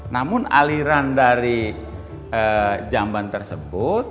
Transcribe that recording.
namun aliran dari jamban tersebut